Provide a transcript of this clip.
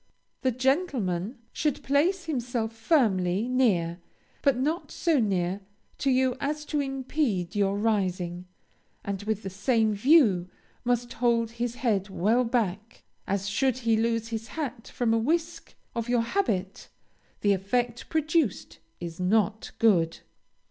The gentleman should place himself firmly, near, but not so near to you as to impede your rising, and with the same view must hold his head well back, as should he lose his hat from a whisk of your habit the effect produced is not good.